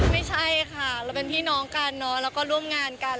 ไม่ใช่ค่ะเราเป็นพี่น้องกันเนอะแล้วก็ร่วมงานกัน